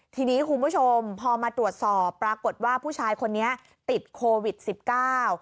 ทีนี้คุณผู้ชมพอมาตรวจสอบปรากฏว่าผู้ชายคนนี้ติดโควิดสิบเก้า